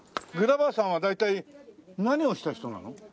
グラバーさんは大体何をした人なの？